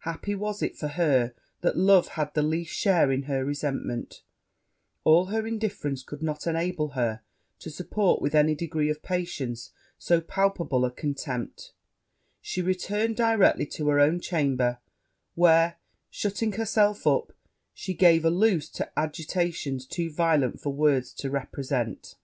Happy was it for her that love had the least share in her resentment all her indifference could not enable her to support, with any degree of patience, so palpable a contempt she returned directly to her own chamber; where, shutting herself up, she gave a loose to agitations too violent for words to represent.